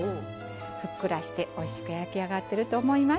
ふっくらしておいしく焼き上がってると思います。